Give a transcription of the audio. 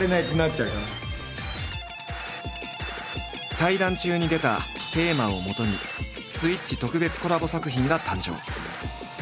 対談中に出たテーマをもとに「スイッチ」特別コラボ作品が誕生！！